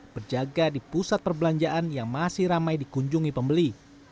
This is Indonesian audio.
berjaga di pusat perbelanjaan yang masih ramai dikunjungi pembeli